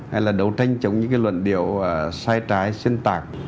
hay là đấu tranh chống những cái luận điệu sai trái xuyên tạc